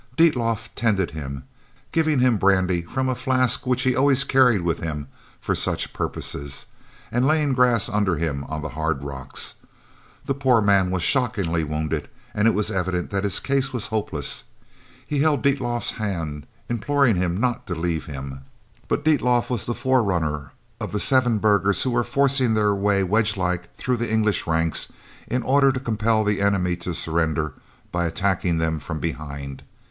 Dietlof tended him, giving him brandy from a flask which he always carried with him for such purposes, and laying grass under him on the hard rocks. The poor man was shockingly wounded, and it was evident that his case was hopeless. He held Dietlof's hand, imploring him not to leave him, but Dietlof was the forerunner of the seven burghers who were forcing their way wedgelike through the English ranks in order to compel the enemy to surrender by attacking them from behind.